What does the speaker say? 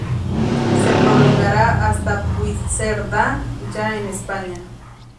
Se prolongará hasta Puigcerdá ya en España.